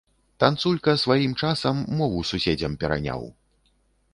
Танцулька сваім часам мову суседзям пераняў.